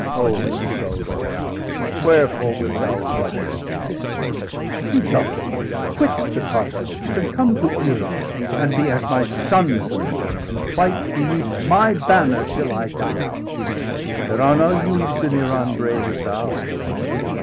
° °327 O Sohrab, wherefore wilt thou rush on death? Be govern'd°! quit the Tartar host, and come °330 To Iran, and be as my son to me, And fight beneath my banner till I die! There are no youths in Iran brave as thou."